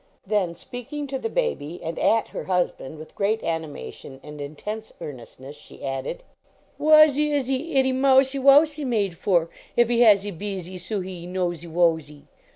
Then, speaking to the baby and at her husband with great animation and intense earnestness, she added :" Whassie is he ittie mousie wousie made for if he hassie beezie soo he nosie wosie ?